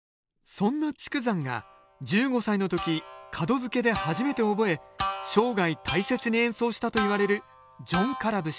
そんな竹山が１５歳の時門づけで初めて覚え生涯大切に演奏したといわれる「じょんから節」。